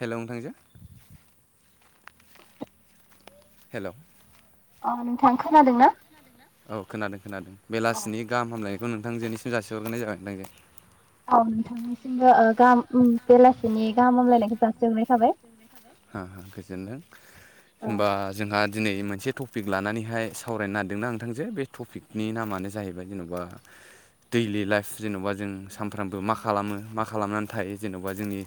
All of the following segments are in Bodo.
हेल' नोंथांजो। हेल' अ नोंथां खोनादों ना? औ खोनादों खोनादों बेलासिनि गाहामलायनायखौ नोंथांजोनिसिम जासिहरग्रोनाय जाबाय नोंथांजो। औ नोंथांनिसिमबो ओ गाहाम उम बेलासिनि गाहाम हामलायनायखौ जासिहरनाय थाबाय। [unintelligible] गोजोनदों होमबा जोंहा दिनै मोनसे टपिक लानानैहाय सावरायनो नाददोंना नोंथांजो बे थपिकनि नामानो जाहैबाय जेन'बा दैलि लाइफ जेन'बा जों सानफ्रामबो मा खालामो मा खालामनानै थायो जेनेबा जोंनि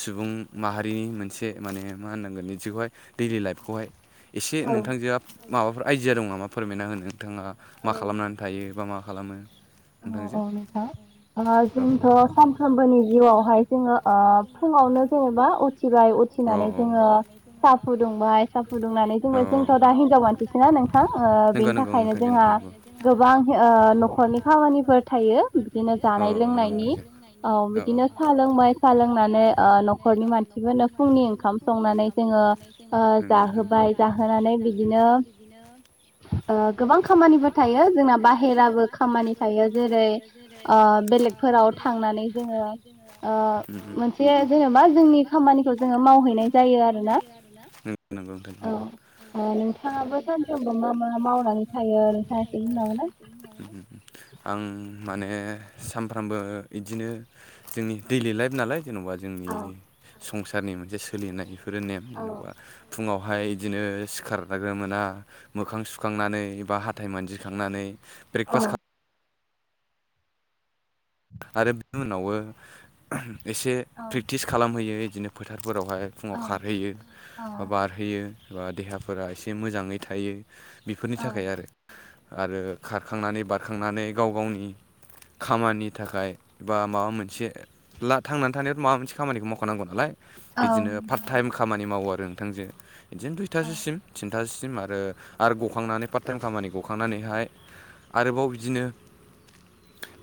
सुब बुं माहारिनि मोनसे माने मा होननांगोन इदिखौहाय दैलि लाइफखौहाय एसे नोंथांजोआ माबाफोर आइडिया दं नामा फोरमायना होनो नोंथाङा मा खालामनानै थायो बा मा खालामो? औ औ नोंथां। ओ जोंथ' सानफ्रोमबोनि जिउआवहाय जोङो ओ फुङावनो जेनेबा उथ थिबाय उथिनानै जोङो साहा फुदुंबाय साह फुदुंनानै जोंबाय जोंथ' दा हिनजाव मानसिना नोंथां ओ बेनि थाखायनो जोंहा [unintelligible] गोबां ओ न'खरनि खामानिफोर थायो बिदिनो जानाय लोंनायनि औ बिदिनो साह लोंबाय साह लोंनानै ओ न'खरनि मानसिफोर फोरनो फुंनि ओंखाम संनानै जोङो ओ जाहोबाय जाहोनानै बिदिनो ओ गोबां खामानिबो थायो जोंना बाहेराबो खामानि थायो जेरै रै ओ बेलेग फोराव थांनानै जोङो ओ मोनसे जेन'बा जोंनि खाम जोंनि खामानिखौ जोङो मावहैनाय जायो आरोना नों-नोंगौ नोंथां नोंगौ। ओ नोंथाङाबो सानसे समाव मा मा मावनानै थायो [inaudible] खिन्थालाय? आं माने सानफ्रामबो इदिनो जोंनि दैलि लाइफ नालाय जेन'बा जोंनि संसारनि मोनसे सोलिनाय बेफोरो नेम जेन'बा फुङावहाय इदिनो सिखारगोरो मोना मोखां सुखांनानै बा हाथाय मानजिखांनानै ब्रेकफास्ट खा आरो बिनि उनावो एसे फ्रिक्टिस खालामहैयो इदिनो फोथार फोरावहाय फुङाव खारहैयो बा बारहोयो एबा देहाफोरा एसे मोजाङै थायो बेफोरनि थाखाय आरो। आरो खारखांनानै बारखांनानै गाव गावनि खामानि थाखाय बा माबा मोनसे ला थांनानै थानायाव माबा मोनसे खामानिखौ मावखानांगौ नालाय। बिदिनो फार्ट टाइम खामानि मावो आरो नोंथां जों इदिनो दुइथासुसिम थिन्थास सिम आरो आरो गखांनानै पार्ट टाइम खामानि गखांनानैहाय आरोबाव बिदिनो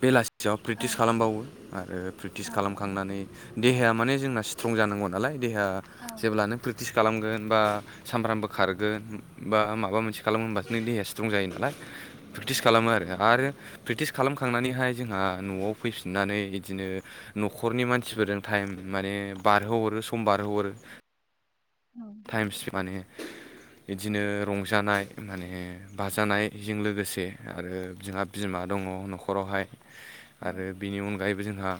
बेलासियाव प्रेक्टिस खालामबावो आरो प्रेक्टिस खालामखांनानै देहाया माने जोंना स्ट्रं जानांगौ नालाय देहा जेब्लानो प्रेकटिस खालामगोन बा सामफ्रामबो खारगोन बा माबा मोनसे खालाम होमबासो नोंनि देहाया स्ट्रं जायो नालाय। प्रेकटिस खालामो आरो आरो प्रेकटिस खालामखांनानैहाय जोंहा न'आव फैफिननानै बिदिनो न'खरनि मानसिफोरजों टाइम माने बारहोह'रो सम बारहोह'रो। टाइमस माने इदिनो रंजानाय माने बाजानायजों लोगोसे आरो जोंहा बिमा दङ न'खरावहाय आरो बिनि अनगायैबो जोंहा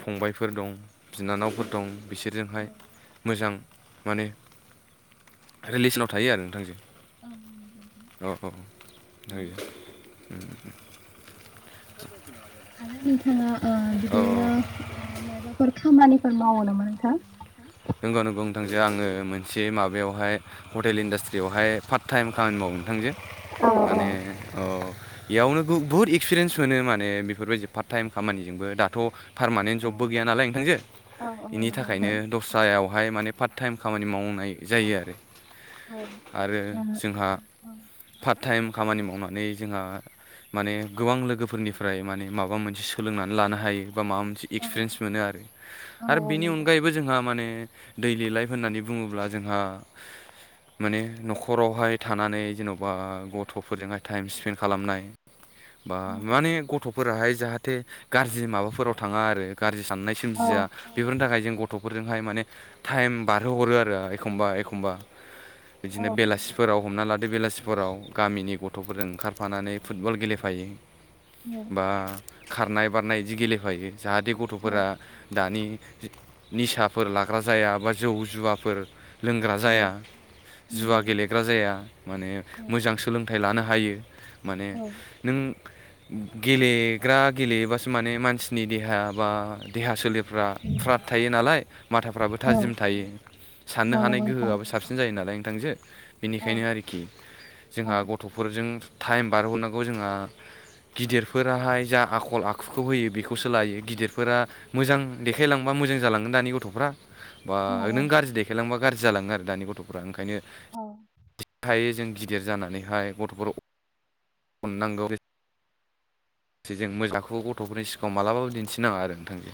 फंबायफोर दं बिनानावफोर दं बिसोरजोंहाय मोजां माने रिलेसनाव थायो आरो नोंथांजो। औ औ [unintelligible] आरो नोंथाङा ओ बिदिनो ओ मायबाफोर खामानिफोर मावो नामा नोंथां? नोंगौ नंगौ नोंथांजो आङो मोनसे माबायावहाय हटेल इन्डास्ट्रियावहाय पार्ट टाइम खामानि मावो नोंथांजो‌। माने ओ बेयावनो बहुत इक्सपिरियेन्स मोनो माने बेफोरबायदि फार्ट टाइम खामानिजोंबो दाथ' पारमानेन्ट जबबो गैया नालाय नोंथांजो बेनि थाखायनो दस्रा बेवहाय माने पार्ट टाइम खामानि मावनाय जायो आरो आरो जोंहा फार्ट टाइम खामानि मावनानै जोंहा माने गोबां लोगोफोरनिफ्राय माने माबा मोनसे सोलोंनानै लानो हायो बा माबा मोनसे एक्सपिरियेन्स मोनो आरो आरो बेनि अनगायैबो जोंहा माने दैलि लाइफ होननानै बुङोब्ला जोंहा माने न'खरावहाय थानानै जेन'बा गथ'फोरजोंहाय टाइम स्पेन्ड खालामनाय। बा माने गथ'फोराहाय जाहाथे गाज्रि माबाफोराव थाङा आरो गाज्रि। साननाय सोमजिया बेफोरनि थाखाय जों गथ'फोरजोंहाय माने। टाइम बारहोहरो आरो एखमबा एखमबा बिदिनो बेलासिफोराव हमना ला। बे बेलासिफोराव गामिनि गथ'फोरजों ओंखारफानानै फुटबल गेलेफायो। बा खारनाय बारनाय बिदि गेलेफायो जाहाथे गथ'फोरा दानि। निसाफोर लाग्रा जाया बा जौ जुवाफोर। लोंग्रा जाया जुवा गेलेग्रा जाया माने मोजां सोलोंथाइ लानो हा। हायो माने नों। गेलेग्रा गेलेयोबासो माने मानसिनि देहा बा देहा सोलेर। फ्रा फ्राद थायो नालाय। माथाफ्राबो थाजिम थायो साननो हानाय गोहोआबो साबसिन जायो नालाय नोंथांजो। बेनिखायनो आरोखि जोंहा गथ'फोरजों टाइम बारहरनांगौ जोंहा। गिदिरफोराहाय जा आखल आखुखौ होयो बेखौसो लायो गिदिरफोरा मोजां देखायलांबा। मोजां जालाङोन दानि गथ'फ्रा बा नों गाज्रि देखायलांबा गाज्रि जालाङो आरो दानि गथ'फ्रा ओंखायनो। थायो जों गिदिर जानानैहाय गथ'फोर अ अनांगौ। से जों मोजांखौ गथ'फोरनि सिगाङाव मालाबाबो दिन्थिनाङा आरो नोंथांजो।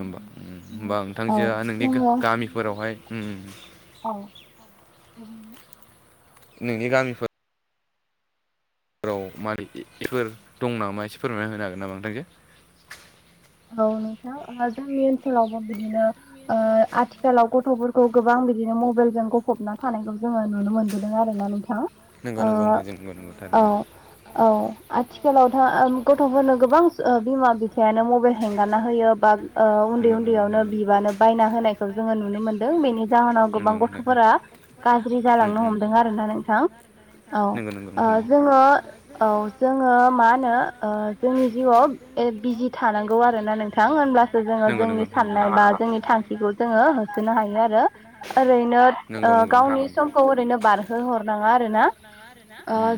होमबा नोंथांजोआ नोंनि गामिफोरावहाय उम। औ नोंनि गामिफोर। राव मालि बेफोर दं नामा एसे फोरमायना होनो हागोन नामा नोंथांजो। औ नोंथां ओ जोंनि ओनसोलावबो बिदिनो ओ आथिखालाव गथ'फोरखौ गोबां। बिदिनो मबाइलजों गफबना थानायखौ जोङो नुनो मोनबोदों आरोना नोंथा। ओ औ औ आथि। खोलावथा ओ गथ'फोरनो गोबां ओ बिमा बिफायानो मबाइल। हेंगारा होयो बा ओ उन्दै उन्दैयावनो बिबानो बायना होनायखौ जोङो नुनो मोनदों बेनि जाहोनाव। गोबां गथ'फोरा गाज्रि जालांनो हमदों आरोना नोंथां। औ ओ जोङो औ जोङो मा। नो ओ जोंनि जिउआव ओ बिजि था। थानांगौ आरोना नोंथां होनोमब्लासो जोङो जोंनि साननाय बा जोंनि थांखिखौ जोङो होसोनो हायो आरो। ओरैनो ओ गावनि समखौ ओरैनो बारहोहरनाङा आरोना।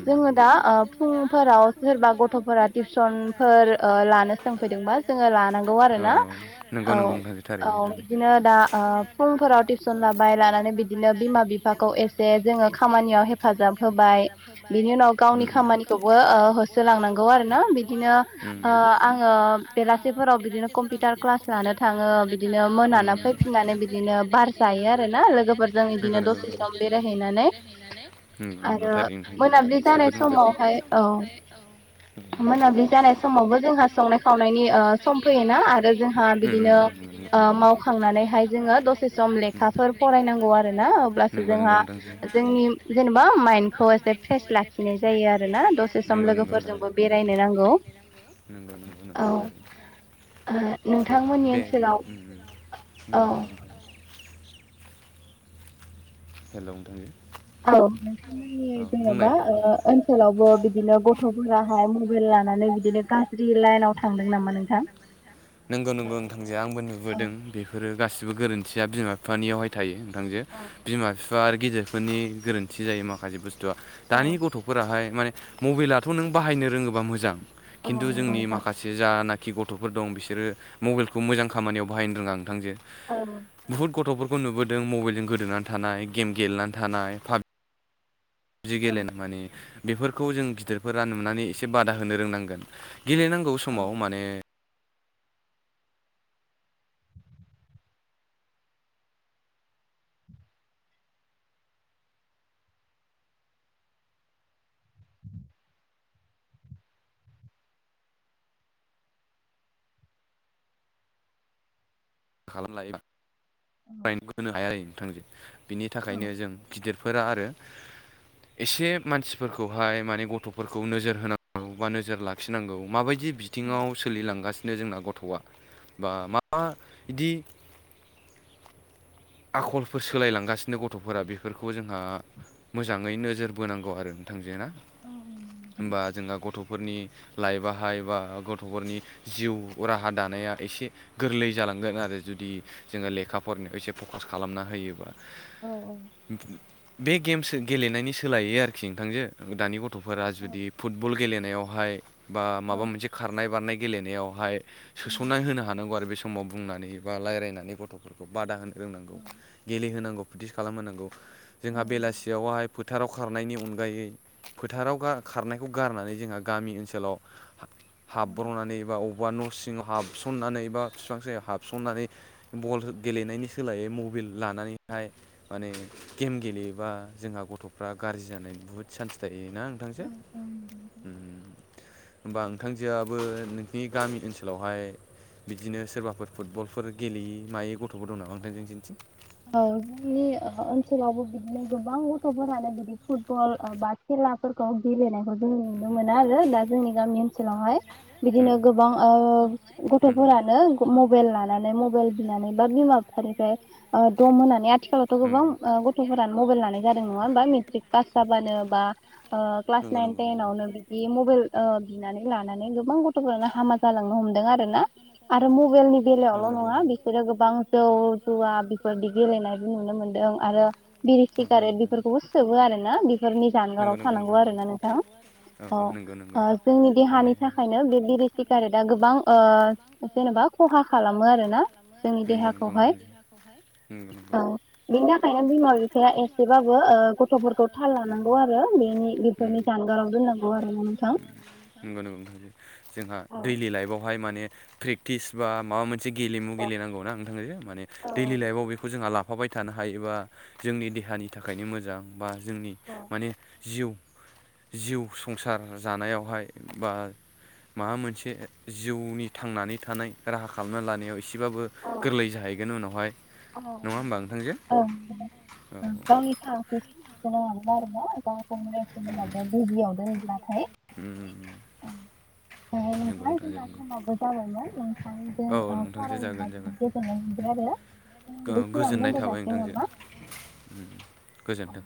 जोङो दा ओ फुंफोराव सोरबा गद। गथ'फोरा टिउसनफोर ओ लानो सोंफैदोंबा। जोङो लानांगौ आरोना औ औ बिदिनो दा ओ फुंफोराव टिउसन। बाय लानानै बिदिनो बिमा बिफाखौ एसे जोङो खामानियाव हेफाजाब होबाय बिनि उनाव। गावनि खामानिखौबो ओ होसोलांनांगौ आरोना बिदिनो ओ आङो। बेलासिफोराव बिदिनो कम्पिउटार क्लास लानो थाङो बिदिनो मोना फैफिननानै बिदिनो बार ओ जा। बार जायो आरोना नोंगौ नोंगौ लोगो फोरजों बिदिनो दसे सम बेरायहैनानै उम नोंगौ थारैनो आरो। जोबोद मोजां मोनाब्लि जानाय समावहाय औ। मोनाब्लि जानाय समावबो जोंहा संनाय खावनाय। नायनि ओ सम फैयोना आरो जोंहा बिदिनो ओ मावखांनानैहाय जोङो दसे सम। लेखाफोर फरायनांगौ आरोना अब्लासो जोंहा जोंनि जेनेबा माइन्दखौ एसे फ्रेस। लाखिनाय जायो आरोना दसे सम लोगोफोरजोंबो बेरायनो नांगौ। नोंगौ थारैनो औ। जोंहा दे उम नंगौ नंगौ औ। हेलौ नोंथांजो। औ नोंथांमोननि जेनेबा ओ ओनसोलावबो ओ बिदिनो। बिदि गसु बिलाहाय मबेइल लानानै बिदिनो गां लाइन थांगोन नामा नोंथां नोंगौ। नोंगौ नोंगौ नोंथांनो आंबो नुबोदों बेफोरो गासिबो गोरोन्थि। थिया बिमा बिफानियावहाय थायो नोंथांजो बिमा बिफा आरो गिदेरफोरनि गोरोन्थि जायो माखासे बुस्थु। खिन्थु दानि गथ'फोराहाय माने मबाइलाथ' नों बाहायनो रोङोबा मोजां खिन्थु जोंनि माखासे जानाखि खि गथ'फोर दं बिसोरो मबाइलखौ मोजां खामानियाव बाहायनो रोङा नोंथांजो बुहुत गथ' खौ नुबोदों मबाइलजों गोदोनानै थानाय गेम गेलेनानै थानाय पाबि बजि गेलेना माने बेफोरखौ जों गिदिरफोरा नुनानै एसे बादा होनो रोंनांगोन गेलेनांगौ समाव माने खालाम लायो फरायनो होनो हाया आरो नोंथांजों बिनि थाखायनो जों गिदिरफोरा आरो एसे मानसिफोरखौहाय माने गथ'फोरखौ नोजोर होनांगौ बा नोजोर लाखिनांगौ माबायदि बिथिङाव सोलिलांगासिनो जोंना गथ'आ बा मा बिदि आखलफोर सोलायलांगासिनो गथफोरा बेफोरखौ जोंहा मोजाङै नोजोर बोनांगौ आरो नोंथांजोेना होमबा जोंहा गथ'फोरनि लाइ बाहाय बा गथ'फोरनि जिउ राहा दानाया एसे गोरलै जाला थांगोन आरो जुदि जोङो लेखाफोरनि एसे फकास खालामना होयोबा बे गेमसो गेलेनायनि सोलायो आरोखि नोंथांजो दानि गथ' गथ'फोरा जुदि फुटबल गेलेनायावहाय बा माबा मोनसे खारनाय बारनाय गेलेनायावहाय सोसनना होनो हानांगौ आरो बे समाव बुंनानै बा रायज्लायनानै गथ'फोरखौ बादा होनो रोंनांगौ गेलेहोनांगौ प्रेकटिस खालामहोनांगौ जोंहा बेलासियावहाय फोथाराव खारनायनि अनगायै फोथाराव खारनायखौ गारनानै जोंहा गामि ओनसोलाव हाबब्र'नानै बा बबावबा न' सिङाव हाबसननानै बबा बिफां सा हाबसननानै बल गेलेनायनि सोलायै मबाइल लानानैहाय माने गेम गेले गेलेयोबा जोंहा गथ'फ्रा गाज्रि जानाय बुहुद सान्स थायो थायोना नोंथांजो उम उम होमबा नोंथांजोआबो जोंनि गामि ओनसोलावहाय बिदिनो सोरबाफोर फुटबलफोर गेलेयि मायि गथ'फोर दं नाम नोंथांनिथिं औ जोंनि ओनसोलावबो बिदिनो गोबां गथ'फोरानो बिदि फुटबल बा खेला खेलाफोरखौ गेलेनायखौ जों नुनो मोनो आरो दा जोंनि गामि ओनसोलावहाय बिदिनो गोबां ओ गथ'फोरानो मबाइलाना बिना नै मबाइ बिनानै बा बिमा बिफ्राय दम होनानै आथि आथिखालावथ' ओ गोबां गथ'फोरानो मबाइल लानाय जादों नङा होमबा मेट्रिक पास जाबानो बा ओ क्लास नाइन टेनावनो बिदि मबाइल बिनानै लानानै गोबां गथ'फोरानो हामा जलांनो हमो आरोना आरो मबाइलनि बेलायावल' नङा बिसोरो गोबां जौ जुवा बेफोरदि गेलेनायबो नुनो मोनदों आरो बिरि सिगारेट बेफोरखौबो सोबो आरोना बेफोरनि जानगाराव बेफोराव थानांगौ आरो ना नोंथाङा औ जोंनि देहानि थाखायनो बे बिरि सिगारेटआ गोबां जेनेबा खहा खालामो आरोना जोंनि देहाखौहाय औ बिनि थाखायनो बिमा बिफाया एसेबाबो गथ'फोरखौ थाल लानांगौ आरो बेनि बेनिखायनो जानगाराव बेनिखायनो जानगारावनो दोननांगौ आरो ना नोंथां नंगौ नंगौ नथां जोंहा दैलि लाइफआवहाय माने प्रेक्टिस बा माबा मोनसे गेलेमु गेलेनांगौना नोंथां जे माने दैलि लाइफआव बेखौ जोंहा लाब मावबाय थानो हायो। जिउ संसार जानायावहाय बा। माबा मोनसे जिउनि थांनानै थानाय राहा खालामना लानायाव। एसेबाबो गोरलै जाहैगोन उनावहाय। औ-औ-औ गावनि थांखिसि। बिनो माबोन आरो ना दा माबा बिजियाव दोन बिब्लाथाय। [unintelligible] नोंथाङा जोंना समावबो जाबायमोन नोंथां जों सावरायना गोजोननाय मोन। बे आरो। गो- गोजोननाय थाबाय नोंथांजों गोजोनथों।